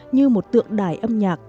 như một tượng đài âm nhạc